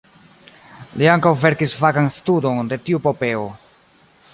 Li ankaŭ verkis fakan studon de tiu epopeo.